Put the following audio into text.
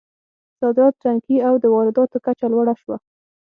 صادرات ټکني او د وارداتو کچه لوړه شوه.